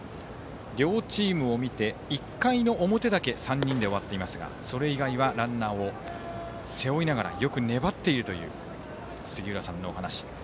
両チームを見て、１回の表だけ３人で終わっていますがそれ以外はランナーを背負いながらよく粘っているという杉浦さんのお話。